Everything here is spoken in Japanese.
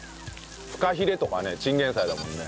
フカヒレとかねチンゲン菜だもんね。